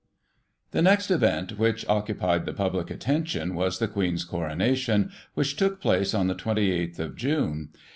The next event which occupied the public attention was the Queen's Coronation, which took place on the 28th of June.